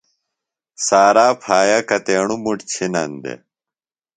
سارا پھایہ کتیݨُوۡ مُٹ چِھنن دےۡ؟